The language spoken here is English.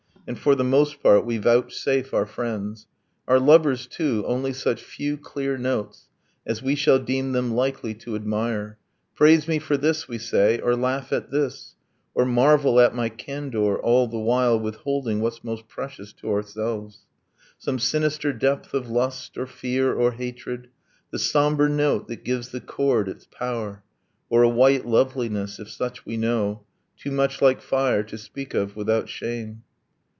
And for the most part we vouchsafe our friends, Our lovers too, only such few clear notes As we shall deem them likely to admire: 'Praise me for this' we say, or 'laugh at this,' Or 'marvel at my candor'. ... all the while Withholding what's most precious to ourselves, Some sinister depth of lust or fear or hatred, The sombre note that gives the chord its power; Or a white loveliness if such we know Too much like fire to speak of without shame.